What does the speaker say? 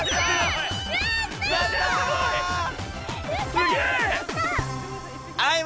すげえ！